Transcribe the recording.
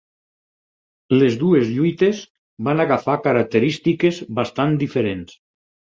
Les dues lluites van agafar característiques bastant diferents.